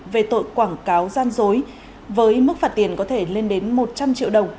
về tội quảng cáo gian dối với mức phạt tiền có thể lên đến một trăm linh triệu đồng